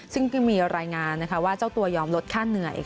ซึ่งก็มีรายงานว่าเจ้าตัวยอมลดค่าเหนื่อย